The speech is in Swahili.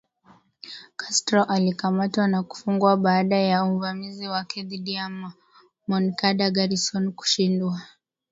Castro alikamatwa na kufungwa baada ya uvamizi wake dhidi ya Moncada Garrison kushindwa